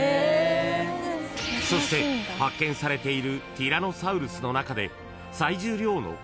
［そして発見されているティラノサウルスの中で］